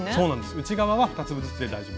内側は２粒ずつで大丈夫です。